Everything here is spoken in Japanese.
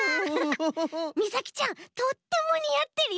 みさきちゃんとってもにあってるよ。